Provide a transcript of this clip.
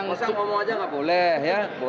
nggak usah ngomong aja nggak boleh ya